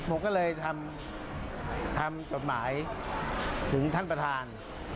ผมก็เลยทำจดหมายถึงท่านประธาน